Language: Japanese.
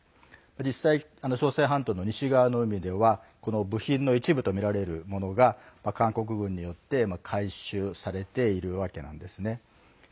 実際、朝鮮半島の西側の海ではこの部品の一部とみられるものが韓国軍によって回収されているわけなんですね。